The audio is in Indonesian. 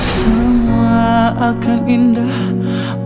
semua akan indahnya